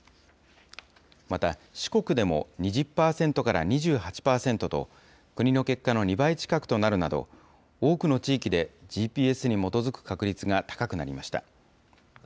また、四国でも２０％から２８％と、国の結果の２倍近くとなるなど、多くの地域でＧＰＳに基づく確率が高くなりました。